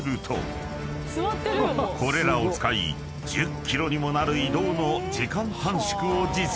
［これらを使い１０ｋｍにもなる移動の時間短縮を実現］